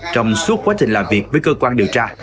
trong suốt quá trình làm việc với cơ quan điều tra